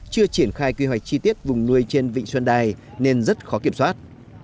chưa triển khai quy hoạch chi tiết vùng nuôi trên vịnh xuân đài nên rất khó kiểm soát